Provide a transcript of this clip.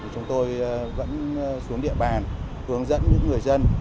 chúng tôi vẫn xuống địa bàn hướng dẫn những người dân